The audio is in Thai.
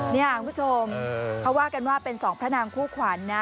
นี่คุณผู้ชมเขาว่ากันว่าเป็นสองพระนางคู่ขวัญนะ